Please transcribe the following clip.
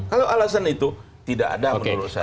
kalau alasan itu tidak ada menurut saya